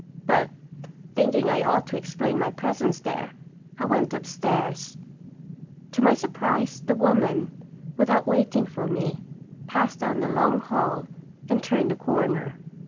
But, thinking I ought to explain my presence there, I went upstairs. To my surprise, the woman, without waiting for me, passed down the long hall and turned a corner.